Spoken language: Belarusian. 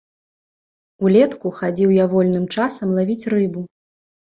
Улетку хадзіў я вольным часам лавіць рыбу.